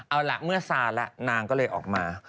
เอาล่ะเมื่อซาแล้วนางก็เลยออกมา